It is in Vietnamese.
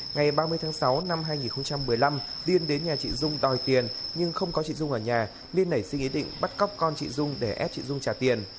ngày ba mươi tháng sáu năm hai nghìn một mươi năm liên đến nhà chị dung đòi tiền nhưng không có chị dung ở nhà nên nảy sinh ý định bắt cóc con chị dung để ép chị dung trả tiền